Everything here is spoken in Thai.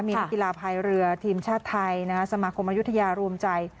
มีกีฬาภัยเรือทีมชาติไทยสมัครคมอยุธยารวมใจ